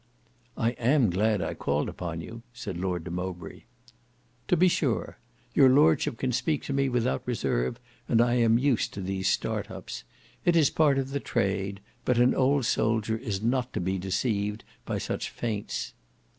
"I am glad I called upon you," said Lord Mowbray. "To be sure. Your lordship can speak to me without reserve, and I am used to these start ups. It is part of the trade; but an old soldier is not to be deceived by such feints."